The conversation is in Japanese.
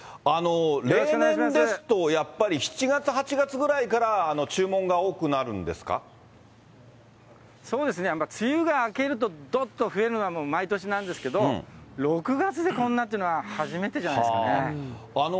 例年ですと、やっぱり７月、８月ぐらいから注文が多くなるんですそうですね、梅雨が明けると、どっと増えるのは毎年なんですけれども、６月でこんなっていうのは初めてじゃないですかね。